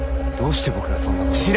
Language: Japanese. どうして僕がそんな事を？